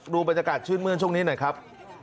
บรรยากาศชื่นมื้นช่วงนี้หน่อยครับ